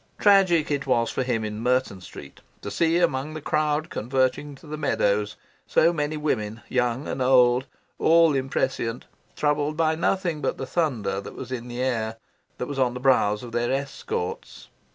Tragic it was for him, in Merton Street, to see among the crowd converging to the meadows so many women, young and old, all imprescient, troubled by nothing but the thunder that was in the air, that was on the brows of their escorts.